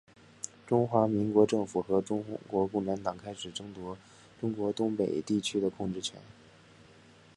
中华民国政府和中国共产党开始争夺中国东北地区的控制权。